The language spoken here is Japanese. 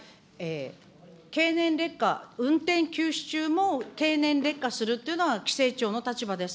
経年劣化、運転休止中も経年劣化するというのは規制庁の立場です。